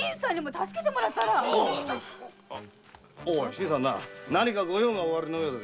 新さんなあ何かご用がおありのようだ。